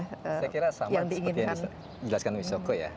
saya kira sama seperti yang dijelaskan wishoko ya